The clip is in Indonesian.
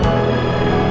ya allah ya allah